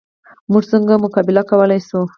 موږ څنګه مقابله کولی شو؟